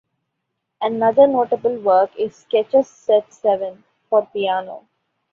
Another notable work is "Sketches Set Seven" for piano.